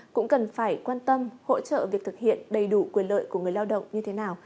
cũng cần phải quan tâm hỗ trợ việc thực hiện đầy đủ quyền lợi của người lao động như thế nào